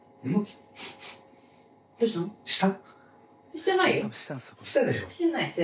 してないよ。